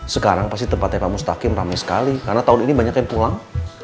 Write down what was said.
sekarang pasti tempatnya pak mustaqim ramai sekali karena tahun ini banyak yang pulang